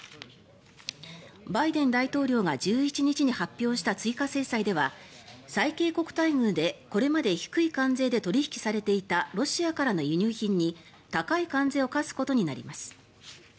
バイデン大統領が１１日に発表した追加制裁では最恵国待遇でこれまで低い関税で取引されていたロシアからの輸入品に高い関税を課すことになります。